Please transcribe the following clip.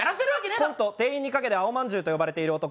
コント、店員に陰で青まんじゅうと呼ばれている男。